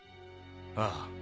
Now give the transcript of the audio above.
ああ。